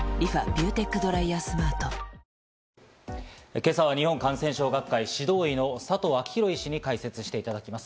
今朝は日本感染症学会・指導医の佐藤昭裕医師に解説していただきます。